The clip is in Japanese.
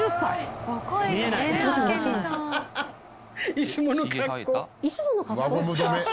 いつもの格好。